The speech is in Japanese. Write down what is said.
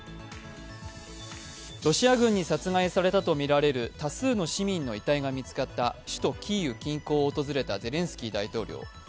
ロシア軍に殺害されたとみられる多数の市民の遺体が見つかった首都キーウ近郊を訪れたゼレンスキー大統領。